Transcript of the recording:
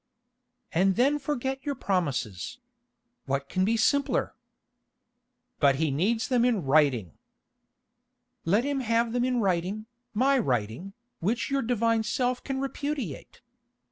"And then forget your promises. What can be simpler?" "But he needs them in writing." "Let him have them in writing, my writing, which your divine self can repudiate.